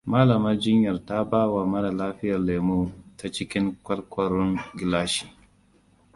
Malamar jinyar ta bawa mara lafiyar lemo ta cikin kwarkwaron gilashi.